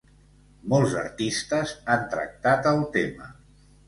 Molts artistes han tractat el tema.